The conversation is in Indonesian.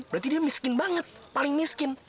berarti dia miskin banget paling miskin